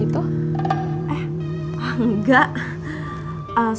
ya udah mas